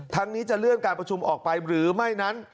นี้จะเลื่อนการประชุมออกไปหรือไม่นั้น